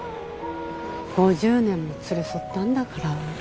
５０年も連れ添ったんだから。